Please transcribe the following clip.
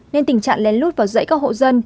nên tình trạng lén lút vào dãy các hộ dân